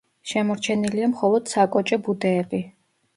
შემორჩენილია მხოლოდ საკოჭე ბუდეები.